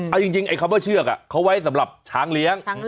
เอาจริงไอ้คำว่าเชือกเขาไว้สำหรับช้างเลี้ยง